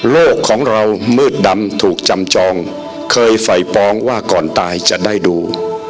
โลกของเรามืดดำถูกจำจองเคยไฝ่ปองว่าก่อนตายจะได้ดู